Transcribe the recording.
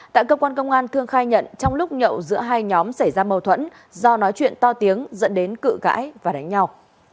tại cơ quan công an thương khai nhận trong lúc nhậu giữa hai nhóm xảy ra mâu thuẫn do nói chuyện to tiếng dẫn đến cự cãi và đánh nhau